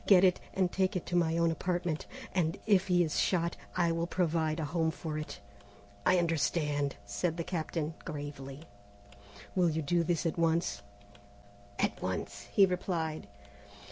Get it, and take it to my own apartment, and if he is shot, I will provide a home for it." "I understand," said the Captain gravely. "Will you do this at once?" "At once," he replied.